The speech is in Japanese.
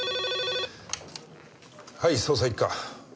はい捜査一課。